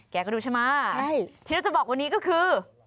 แกก็ดูใช่ไหมที่เราจะบอกวันนี้ก็คือ